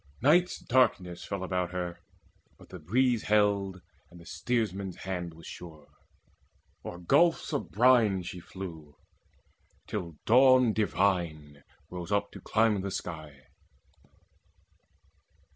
Night's darkness fell about her, but the breeze Held, and the steersman's hand was sure. O'er gulfs Of brine she flew, till Dawn divine rose up To climb the sky.